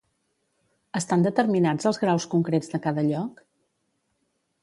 Estan determinats els graus concrets de cada lloc?